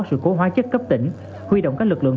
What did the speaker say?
sự cố hóa chất cấp tỉnh huy động các lực lượng